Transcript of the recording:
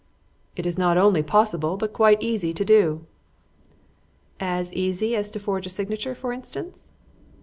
"It is not only possible, but quite easy to do." "As easy as to forge a signature, for instance?"